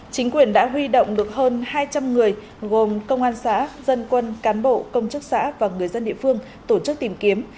chính quyền đã huy động được hơn hai trăm linh người gồm công an xã dân quân cán bộ công chức xã và người dân địa phương tổ chức tìm kiếm